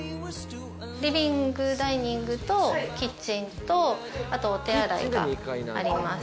リビングダイニングとキッチンとあとお手洗いがあります。